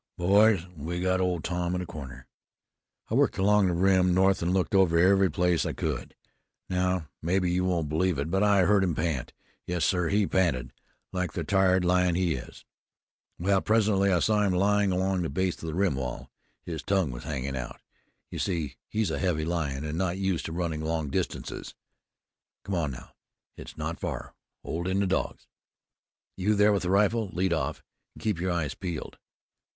"Boys, we've got Old Tom in a corner. I worked along the rim north and looked over every place I could. Now, maybe you won't believe it, but I heard him pant. Yes, sir, he panted like the tired lion he is. Well, presently I saw him lying along the base of the rim wall. His tongue was hanging out. You see, he's a heavy lion, and not used to running long distances. Come on, now. It's not far. Hold in the dogs. You there with the rifle, lead off, and keep your eyes peeled."